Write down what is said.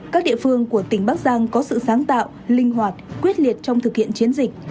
các địa phương của tỉnh bắc giang có sự sáng tạo linh hoạt quyết liệt trong thực hiện chiến dịch